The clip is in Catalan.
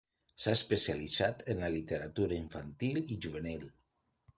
S'ha especialitzat en la literatura infantil i juvenil.